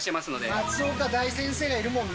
松岡大先生がいるもんね。